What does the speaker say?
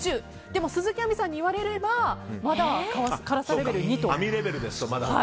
でも鈴木亜美さんに言わせればまだ辛さレベル２と。